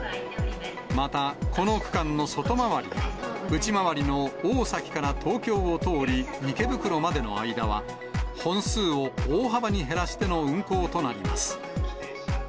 また、この区間の外回りや、内回りの大崎から東京を通り、池袋までの間は、本数を大幅に減らしての運行となります。